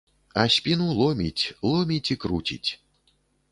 А спіну ломіць, ломіць і круціць.